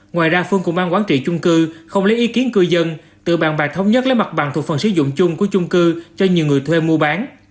ngoài ra phương công an quản trị chung cư không lấy ý kiến cư dân tự bàn bạc thống nhất lấy mặt bằng thuộc phần sử dụng chung của chung cư cho nhiều người thuê mua bán